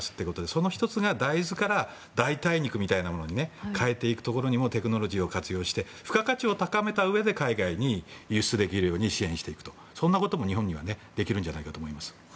その１つが大豆から代替肉みたいなものに変えていくところにもテクノロジーを活用して付加価値を高めたうえで海外に輸出できるように支援していく、そんなことが日本はできると思います。